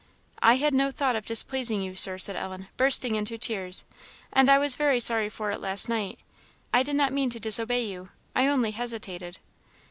"I had no thought of displeasing you, Sir," said Ellen, bursting into tears; "and I was very sorry for it last night. I did not mean to disobey you; I only hesitated."